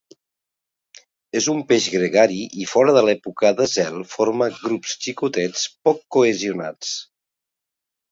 És un peix gregari i fora de l'època de zel forma grups xicotets poc cohesionats.